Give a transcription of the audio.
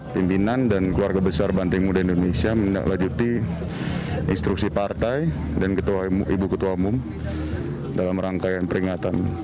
pimpinan dan keluarga besar banteng muda indonesia menindaklanjuti instruksi partai dan ibu ketua umum dalam rangkaian peringatan